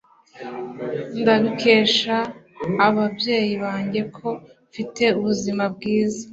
Ndabikesha ababyeyi banjye ko mfite ubuzima bwiza